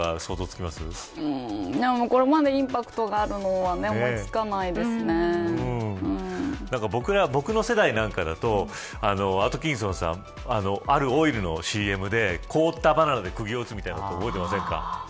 ここまでインパクトがあるのは僕の世代なんかだとあるオイルのＣＭで凍ったバナナで釘を打つみたいなの覚えてませんか。